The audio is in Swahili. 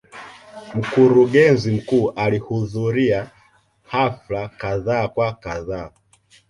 Mkurugenzi mkuu alihudhuria hafla kadha wa kadha.